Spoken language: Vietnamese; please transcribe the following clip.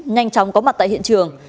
nhanh chóng có mặt tại hiện trường